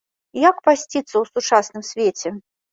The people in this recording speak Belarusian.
Як пасціцца ў сучасным свеце?